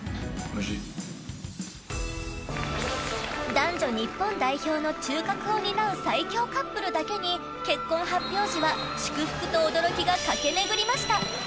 男女日本代表の中核を担う最強カップルだけに結婚発表時は祝福と驚きが駆け巡りました。